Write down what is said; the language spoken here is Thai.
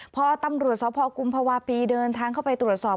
พอตำรวจสพกุมภาวะปีเดินทางเข้าไปตรวจสอบ